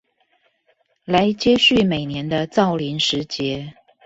來接續每年的造林時節